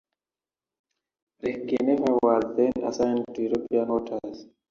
"Lake Geneva" was then assigned to European waters.